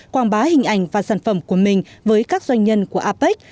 quảng bá hình ảnh và sản phẩm của mình với các doanh nhân của apec